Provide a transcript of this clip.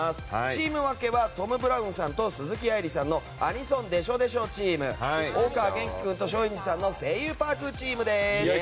チーム分けはトム・ブラウンさんと鈴木愛理さんの「アニソンでしょでしょ」チーム大河元気君と松陰寺さんの「声優パーク」チームです。